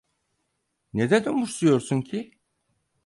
Neden umursuyorsun ki?